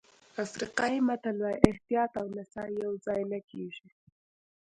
افریقایي متل وایي احتیاط او نڅا یوځای نه کېږي.